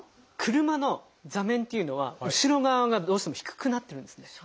車の座面っていうのは後ろ側がどうしても低くなってるんですね。